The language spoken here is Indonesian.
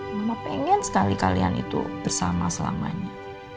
mama pengen sekali kalian itu bersama selamanya